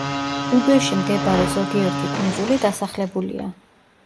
უბეში მდებარე ზოგიერთი კუნძული დასახლებულია.